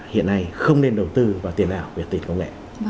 hiện nay không nên đầu tư vào tiền ảo để tiền công nghệ